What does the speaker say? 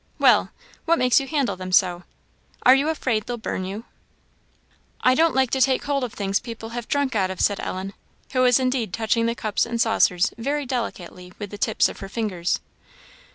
Well! what makes you handle them so? are you afraid they'll burn you?" "I don't like to take hold of things people have drunk out of," said Ellen, who was indeed touching the cups and saucers very delicately with the tips of her fingers.